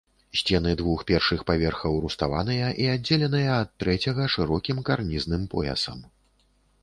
Сцены двух першых паверхаў руставаныя і аддзеленыя ад трэцяга шырокім карнізным поясам.